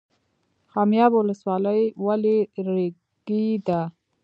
خمیاب ولسوالۍ ولې ریګي ده؟